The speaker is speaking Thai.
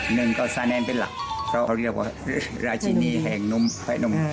หนึ่งก็สาแนนเป็นหลักเขาเรียกว่าราชินีแห่งนุ่มแพะนุ่ม